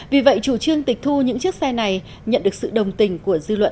vì vậy chủ trương tịch thu những chiếc xe này nhận được sự đồng tình của dư luận